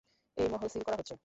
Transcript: এই মহল সিল করা হচ্ছে।